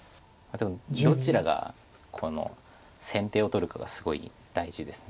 どちらがこの先手を取るかがすごい大事です。